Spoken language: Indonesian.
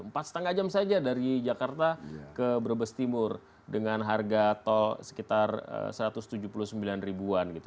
empat lima jam saja dari jakarta ke brebes timur dengan harga tol sekitar satu ratus tujuh puluh sembilan ribuan gitu